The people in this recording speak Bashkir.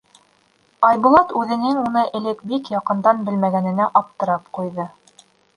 Айбулат үҙенең уны элек бик яҡындан белмәгәненә аптырап ҡуйҙы.